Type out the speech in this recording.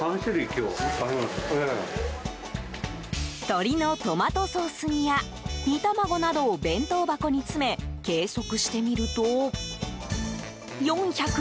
鶏のトマトソース煮や煮卵などを弁当箱に詰め計測してみると４２８ｇ。